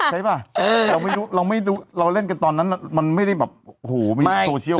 ใช่ป่ะเราไม่รู้เราเล่นกันตอนนั้นมันไม่ได้แบบหูมีโซเชียล